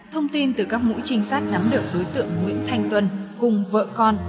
thông tin từ các mũi trinh sát nắm được đối tượng nguyễn thanh tuân cùng vợ con